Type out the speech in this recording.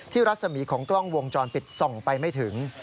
รัศมีของกล้องวงจรปิดส่องไปไม่ถึง